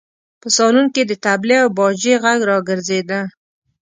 په سالون کې د تبلې او باجې غږ راګرځېده.